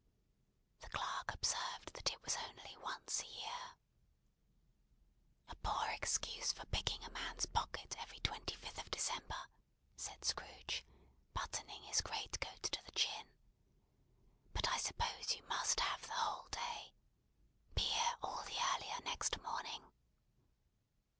The clerk observed that it was only once a year. "A poor excuse for picking a man's pocket every twenty fifth of December!" said Scrooge, buttoning his great coat to the chin. "But I suppose you must have the whole day. Be here all the earlier next morning."